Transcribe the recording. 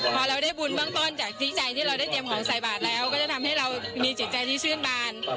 พอเราได้บุญเบื้องต้นจากที่ใจที่เราได้เตรียมของใส่บาทแล้วก็จะทำให้เรามีจิตใจที่ชื่นบาน